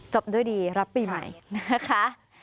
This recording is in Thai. จบด้วยดีรับปีใหม่นะคะ